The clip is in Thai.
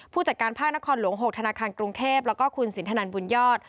จัดการภาคนครหลวง๖ธนาคารกรุงเทพแล้วก็คุณสินทนันบุญยอด